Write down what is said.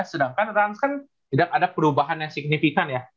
sedangkan rans kan tidak ada perubahan yang signifikan ya